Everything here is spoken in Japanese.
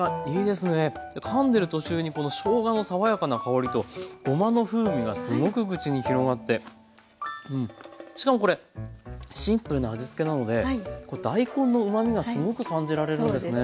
でかんでる途中にこのしょうがの爽やかな香りとごまの風味がすごく口に広がってしかもこれシンプルな味付けなので大根のうまみがすごく感じられるんですね。